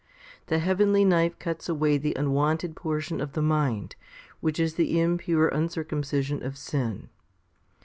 The heavenly knife cuts away the unwanted portion of the mind, which is the impure uncircumcision of sin.